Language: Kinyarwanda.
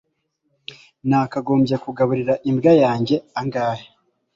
nakagombye kugaburira imbwa yanjye angahe